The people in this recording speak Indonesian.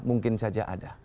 mungkin saja ada